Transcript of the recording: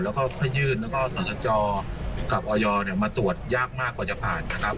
แล้วก็ค่อยยื่นแล้วก็สนับจอกับออยร์มาตรวจยากมากกว่าจะผ่าน